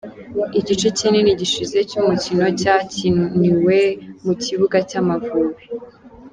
Igice kinini gishize cy’umukino cyakiniwe mu kibuga cy’Amavubi.